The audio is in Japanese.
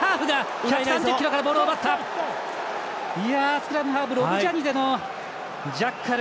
スクラムハーフロブジャニゼのジャッカル。